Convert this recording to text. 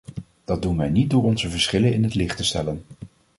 Dat doen wij niet door onze verschillen in het licht te stellen.